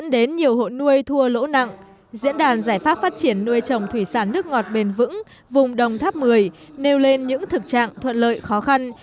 đến nhiều hộ nuôi thua lỗ nặng diễn đàn giải pháp phát triển nuôi trồng thủy sản nước ngọt bền vững vùng đồng tháp một mươi nêu lên những thực trạng thuận lợi khó khăn